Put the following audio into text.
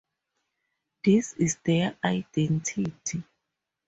This is their identity.